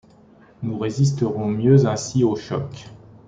Nous résisterons mieux ainsi au choc.